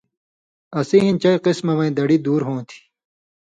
اسی ہِن چئی قسمہ وَیں دڑی دُور ہوتھی۔